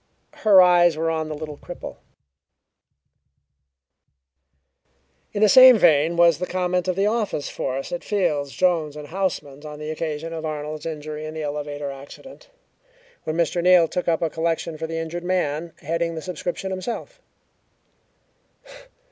Her eyes were on the little cripple. In the same vein was the comment of the office force at Fields, Jones & Houseman's on the occasion of Arnold's injury in the elevator accident, when Mr. Neal took up a collection for the injured man, heading the subscription himself.